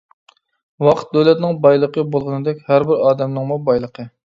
ۋاقىت دۆلەتنىڭ بايلىقى بولغىنىدەك ھەربىر ئادەمنىڭمۇ بايلىقى.